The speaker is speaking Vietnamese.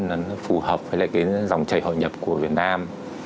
nó phù hợp với lại cái dòng chảy hội nhập của việt nam